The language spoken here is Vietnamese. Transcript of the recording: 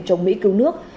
trong mỹ cứu nước